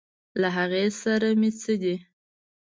له هغې سره مې څه دي.